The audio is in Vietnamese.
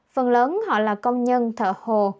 phần lớn họ là công nhân thợ hồ